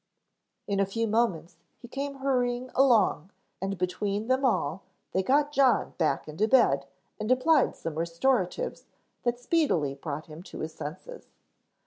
In a few moments he came hurrying along and between them all they got John back into bed and applied some restoratives that speedily brought him to his senses.